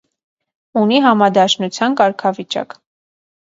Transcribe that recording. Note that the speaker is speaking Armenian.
Ունի համադաշնության կարգավիճակ։